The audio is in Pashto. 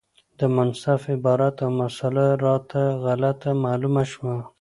د مصنف عبارت او مسأله راته غلطه معلومه شوه،